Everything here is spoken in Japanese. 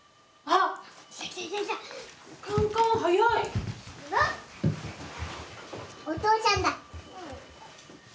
あっお父さんだ。